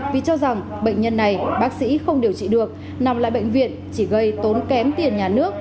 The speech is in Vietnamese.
vì cho rằng bệnh nhân này bác sĩ không điều trị được nằm lại bệnh viện chỉ gây tốn kém tiền nhà nước